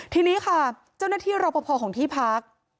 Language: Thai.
ทีนี้ค่ะเจ้าหน้าที่รอปภของที่พัก